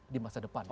di masa depan